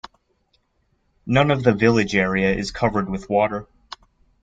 None of the village area is covered with water.